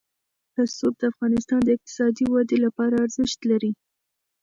رسوب د افغانستان د اقتصادي ودې لپاره ارزښت لري.